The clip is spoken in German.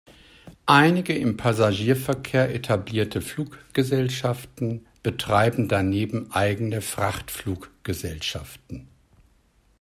Einige im Passagierverkehr etablierte Fluggesellschaften betreiben daneben eigene Frachtfluggesellschaften.